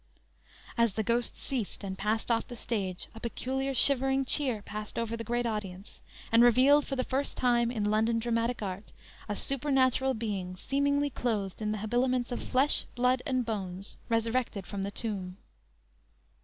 "_ As the Ghost ceased and passed off the stage a peculiar shivering cheer passed over the great audience, and revealed for the first time in London dramatic art, a supernatural being seemingly clothed in the habiliments of flesh, blood and bones, resurrected from the tomb.